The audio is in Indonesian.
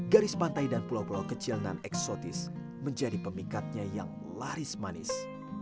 garis pantai dan pulau pulau kecil non eksotis menjadi pemikatnya yang laris manis